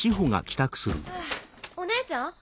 お姉ちゃん⁉